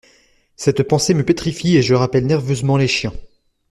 Cette pensée me pétrifie et je rappelle nerveusement les chiens.